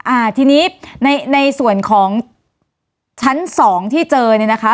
อ่าทีนี้ในในส่วนของชั้นสองที่เจอเนี่ยนะคะ